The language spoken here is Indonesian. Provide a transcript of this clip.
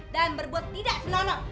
dan berbuat tidak senonok